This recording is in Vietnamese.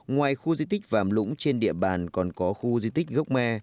ngoài khu di tích vàm lũng trên địa bàn còn có khu di tích gốc me